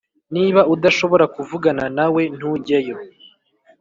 Niba udashobora kuvugana nawe, ntujyeyo